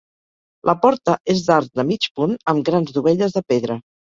La porta és d'arc de mig punt amb grans dovelles de pedra.